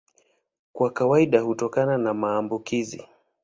Kwa kawaida hutokana na maambukizi.